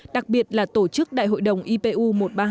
đặc biệt là tổ chức đại hội đồng ipu một trăm ba mươi hai